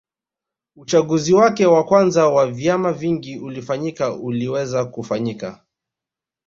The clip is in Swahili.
Uchaguzi wake wa kwanza wa vyama vingi ulifanyika uliweza kufanyika